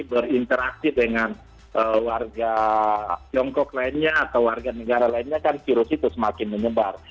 berinteraksi dengan warga tiongkok lainnya atau warga negara lainnya kan virus itu semakin menyebar